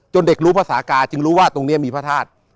เด็กรู้ภาษากาจึงรู้ว่าตรงนี้มีพระธาตุ